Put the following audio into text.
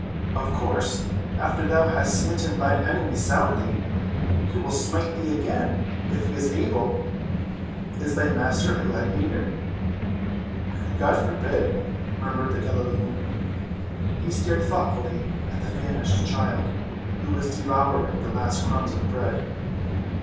"Of course, after thou hast smitten thine enemy soundly, he will smite thee again, if he is able. Is thy Master a gladiator?" "God forbid!" murmured the Galilean. He stared thoughtfully at the famished child, who was devouring the last crumbs of bread.